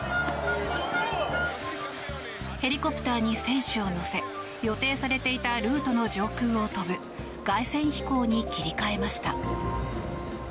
ヘリコプターに選手を乗せ予定されていたルートの上空を飛ぶ凱旋飛行に切り替えました。